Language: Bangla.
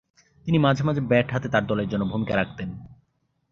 তিনি মাঝে মাঝে ব্যাট হাতে তার দলের জন্য ভূমিকা রাখতেন।